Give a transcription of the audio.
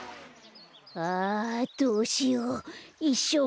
あどうしよういっしょう